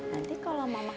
nanti kalau mama